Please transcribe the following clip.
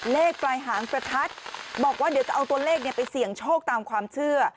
เลขปลายหางประทัดบอกว่าเดี๋ยวจะเอาตัวเลขไปเสี่ยงโชคตามความเชื่อ